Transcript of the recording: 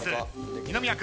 二宮君。